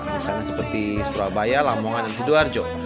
misalnya seperti surabaya lamongan dan sidoarjo